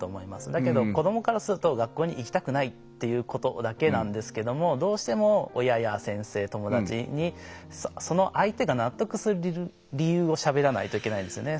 だけど子供からすると学校に行きたくないっていうことだけなんですけどもどうしても親や先生友達にその相手が納得する理由をしゃべらないといけないんですよね。